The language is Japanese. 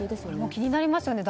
気になりますよね。